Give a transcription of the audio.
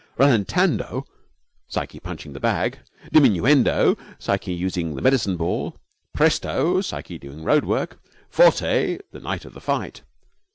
Rallentando Psyche punching the bag. Diminuendo Psyche using the medicine ball. Presto Psyche doing road work. Forte The night of the fight.